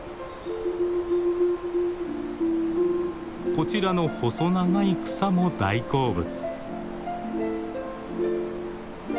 こちらの細長い草も大好物。